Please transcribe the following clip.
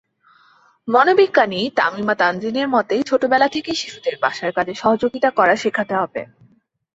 মনোবিজ্ঞানী তামিমা তানজিনের মতে, ছোটবেলা থেকেই শিশুদের বাসার কাজে সহযোগিতা করা শেখাতে হবে।